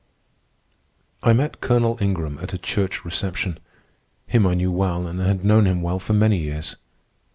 I met Colonel Ingram at a church reception. Him I knew well and had known well for many years.